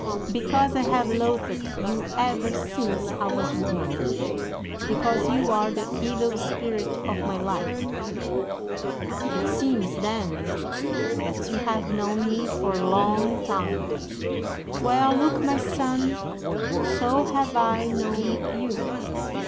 "'"Because I have loathed you ever since I was born. Because you are the evil spirit of my life." "'"It seems, then, that you have known me for a long time. Well, look, my son, so have I known you."